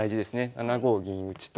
７五銀打と。